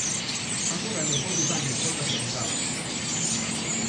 Agora Leopoldo Ibáñez bótase a un lado.